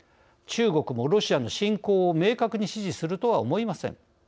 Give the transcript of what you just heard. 中国もロシアの侵攻を明確に支持するとは思いません。